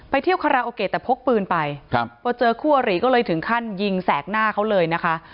เที่ยวคาราโอเกะแต่พกปืนไปครับพอเจอคู่อริก็เลยถึงขั้นยิงแสกหน้าเขาเลยนะคะ